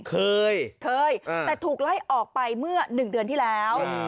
เคยเคยแต่ถูกไล่ออกไปเมื่อ๑เดือนที่แล้ว